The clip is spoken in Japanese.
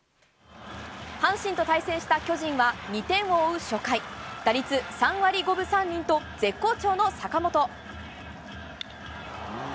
阪神と対戦した巨人は２点を追う初回打率３割５分３厘と絶好調の坂本。